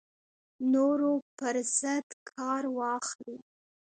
نورو پر ضد کار واخلي